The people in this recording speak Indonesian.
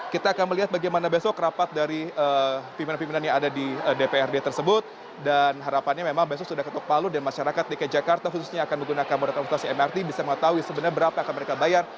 kita akan melihat bagaimana besok rapat dari pimpinan pimpinan yang ada di dprd tersebut dan harapannya memang besok sudah ketuk palu dan masyarakat dki jakarta khususnya akan menggunakan moda transportasi mrt bisa mengetahui sebenarnya berapa yang akan mereka bayar